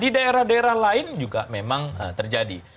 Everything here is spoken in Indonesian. di daerah daerah lain juga memang terjadi